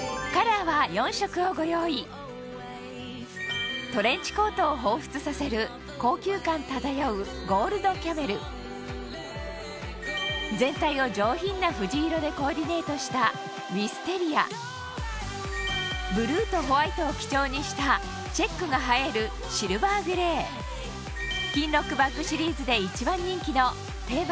をご用意トレンチコートをほうふつさせる高級感漂うゴールドキャメル全体を上品な藤色でコーディネートしたウィステリアブルーとホワイトを基調にしたチェックが映えるシルバーグレーキンロックバッグシリーズで一番人気の定番